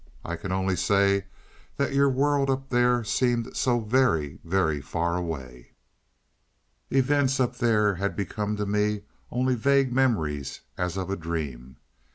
I can only say that your world up there seemed so very very far away. Events up there had become to me only vague memories as of a dream.